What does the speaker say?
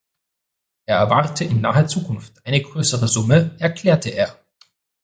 Er erwarte in naher Zukunft eine größere Summe, erklärte er.